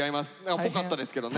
っぽかったですけどね。